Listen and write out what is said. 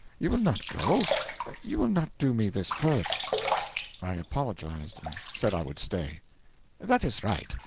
You will not go; you will not do me this hurt.' I apologised and said I would stay. 'That is right.